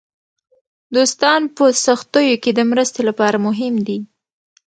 دوستان په سختیو کې د مرستې لپاره مهم دي.